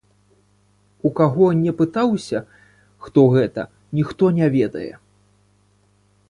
У каго не пытаўся, хто гэта, ніхто не ведае.